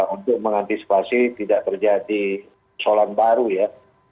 untuk mengantisipasi tidak terjadi solar baru ya